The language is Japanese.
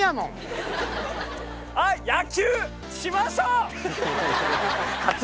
野球しましょう！